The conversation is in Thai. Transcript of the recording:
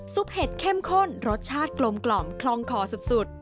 เห็ดเข้มข้นรสชาติกลมคลองคอสุด